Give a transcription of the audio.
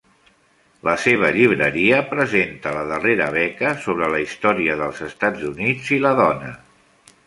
La seva llibreria presenta la darrera beca sobre la història dels Estats Units i la dona.